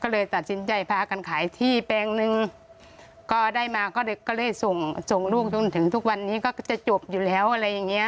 ก็เลยตัดสินใจพากันขายที่แปลงหนึ่งก็ได้มาก็เลยส่งส่งลูกจนถึงทุกวันนี้ก็จะจบอยู่แล้วอะไรอย่างเงี้